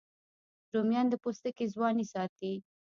رومیان د پوستکي ځواني ساتي